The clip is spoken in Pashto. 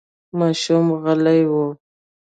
ماشوم غلی و.